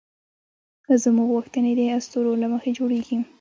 زموږ غوښتنې د اسطورو له مخې جوړېږي.